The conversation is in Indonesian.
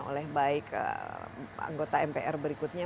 oleh baik anggota mpr berikutnya